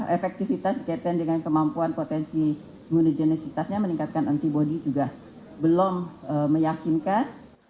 efektivitas kaitan dengan kemampuan potensi hunigenisitasnya meningkatkan antibody juga belum meyakinkan